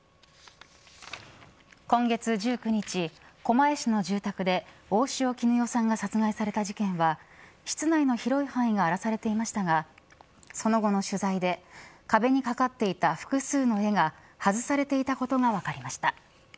今月１９日、狛江市の住宅で大塩衣与さんが殺害された事件は室内の広い範囲が荒らされていましたがその後の取材で壁に掛っていた複数の絵が外されていたことが分かりました。